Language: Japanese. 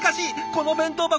この弁当箱